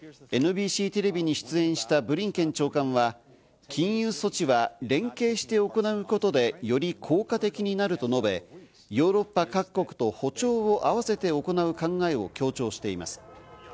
ＮＢＣテレビに出演したブリンケン長官は禁輸措置は連携して行うことでより効果的になると述べ、ヨーロッパ各国と歩調を合わせて行う考えを強調しています。